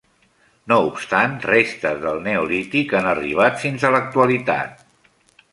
No obstant, restes del neolític han arribat fins a l'actualitat.